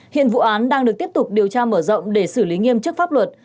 hiện vụ án đang được tiếp tục điều tra mở rộng để xử lý nghiêm chức pháp luật